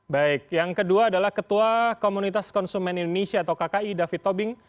baik yang kedua adalah ketua komunitas konsumen indonesia atau kki david tobing